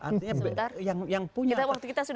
nah sebentar dulu